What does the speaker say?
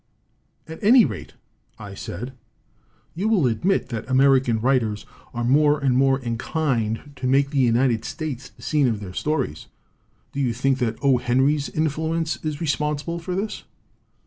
"At any rate," I said, "you will admit that American writers are more and more inclined to make the United States the scene of their stories. Do you think that O. Henry's influence is respon sible for this?"